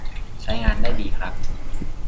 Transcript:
ใช้งานได้ดีครับ